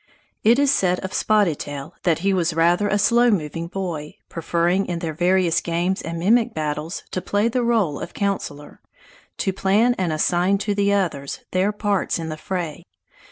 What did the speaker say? It is said of Spotted Tail that he was rather a slow moving boy, preferring in their various games and mimic battles to play the role of councilor, to plan and assign to the others their parts in the fray.